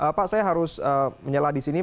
baik pak saya harus menyela di sini